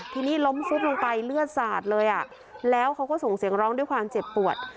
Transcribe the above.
ทีนี้ล้มฟุบลงไปเลือดสาดเลยอ่ะแล้วเขาก็ส่งเสียงร้องด้วยความเจ็บปวด